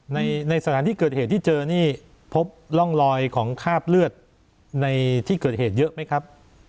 ในสถานที่เกิดเหตุที่เจอนี่พบร่องรอยของคราบเลือดในที่เกิดเหตุเยอะไหมครับ